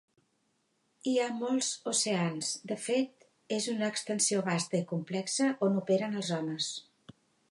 Hi ha molts oceans, de fet és una "extensió vasta i complexa" on operen els homes.